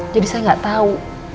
jadi saya gak tau